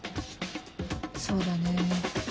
そうだね。